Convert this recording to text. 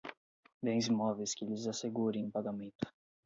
bens imóveis que lhes assegurem o pagamento